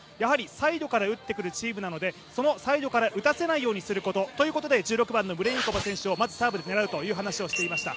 サイドから打ってくるチームなので、そのサイドから打たせないようにすることということで、１６番のムレインコバ選手をサーブで狙うという話をしていました。